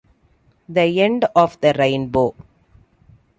The end of the rainbow.